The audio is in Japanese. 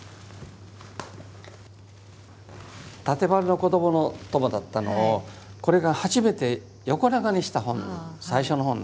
縦版の「こどものとも」だったのをこれが初めて横長にした本最初の本なんです。